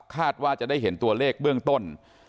ว่าจะได้เห็นตัวเลขเบื้องต้น